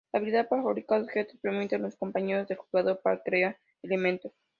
La Habilidad para fabricar objetos permiten los compañeros del jugador para crear elementos.